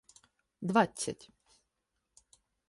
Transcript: Двадцять